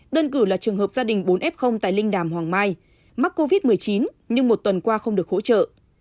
đơn cử là trường hợp gia đình bốn f tại linh đàm hoàng mai mắc covid một mươi chín nhưng một tuần qua không được hỗ trợ